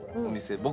お店。